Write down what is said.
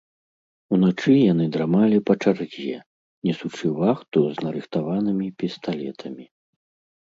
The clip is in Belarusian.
Уначы яны драмалі па чарзе, несучы вахту з нарыхтаванымі пісталетамі.